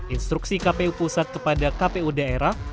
instruksi kpu pusat kepada kpu daerah